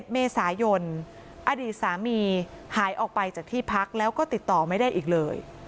๑เมษายนอดีตสามีหายออกไปจากที่พักแล้วก็ติดต่อไม่ได้อีกเลย